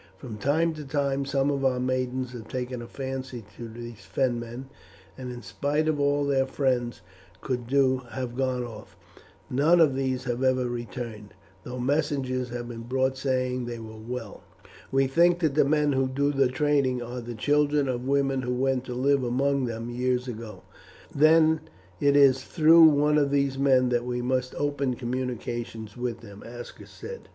From time to time some of our maidens have taken a fancy to these Fenmen, and in spite of all their friends could do have gone off. None of these have ever returned, though messages have been brought saying they were well. We think that the men who do the trading are the children of women who went to live among them years ago." "Then it is through one of these men that we must open communications with them," Aska said.